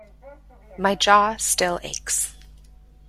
My jaw still aches.